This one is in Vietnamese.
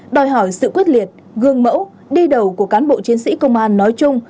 đòi hỏi sự quyết liệt gương mẫu đi đầu của cán bộ chiến sĩ công an nói chung